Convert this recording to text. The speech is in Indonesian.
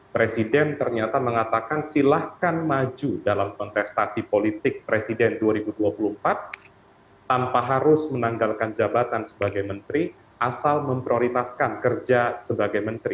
presiden ternyata mengatakan silahkan maju dalam kontestasi politik presiden dua ribu dua puluh empat tanpa harus menanggalkan jabatan sebagai menteri asal memprioritaskan kerja sebagai menteri